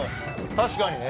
確かにね。